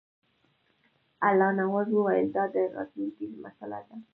الله نواز وویل دا د راتلونکي مسله ده.